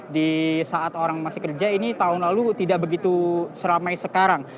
di saat orang masih kerja ini tahun lalu tidak begitu seramai sekarang